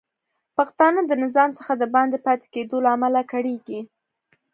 پښتانه د نظام څخه د باندې پاتې کیدو له امله کړیږي